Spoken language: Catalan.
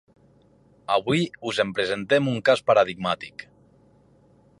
Avui us en presentem un cas paradigmàtic.